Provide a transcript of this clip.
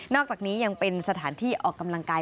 อกจากนี้ยังเป็นสถานที่ออกกำลังกาย